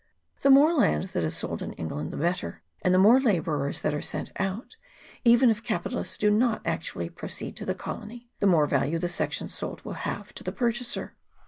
The more land that is sold in England the better, and the more labourers that are sent out, even if capitalists do not actually proceed to the colony, the more value the sections sold will have to the pur chaser.